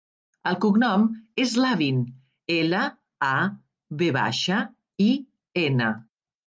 El cognom és Lavin: ela, a, ve baixa, i, ena.